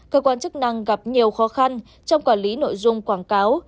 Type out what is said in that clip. cơ quan chức năng gặp nhiều khó khăn trong quản lý nội dung quảng cáo